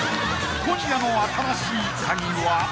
［今夜の『新しいカギ』は］